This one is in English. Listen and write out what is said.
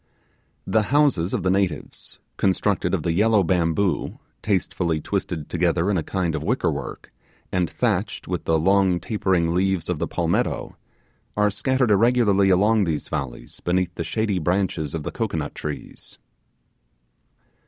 The houses of the natives, constructed of the yellow bamboo, tastefully twisted together in a kind of wicker work, and thatched with the long tapering leaves of the palmetto, are scattered irregularly along these valleys beneath the shady branches of the cocoanut trees.